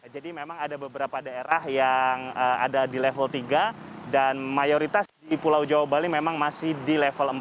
jadi memang ada beberapa daerah yang ada di level tiga dan mayoritas di pulau jawa bali memang masih di level empat